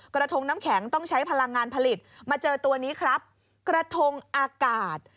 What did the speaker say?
กระทงน้ำแข็งต้องใช้พลังงานผลิตมาเจอตัวนี้ครับกระทงอากาศ